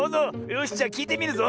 よしじゃあきいてみるぞ！